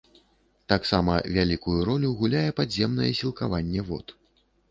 Таксама вялікую ролю гуляе падземнае сілкаванне вод.